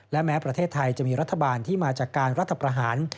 และแม้ประเทศไทยจะมีรัฐบาลที่มาจากการรัฐประหาร